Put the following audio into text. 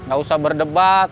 gak usah berdebat